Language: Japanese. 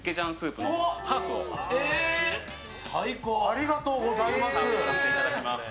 ありがとうございます。